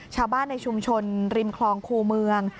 ชาวบ้านในชุมชนริมคลองคู่เมือง